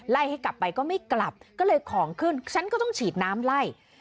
ให้กลับไปก็ไม่กลับก็เลยของขึ้นฉันก็ต้องฉีดน้ำไล่